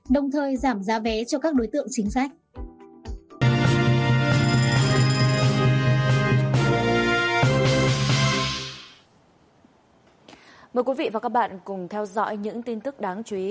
đồng thời giảm giá vé cho các đối tượng chính sách